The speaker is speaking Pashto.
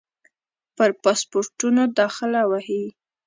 پر پاسپورټونو داخله وهي.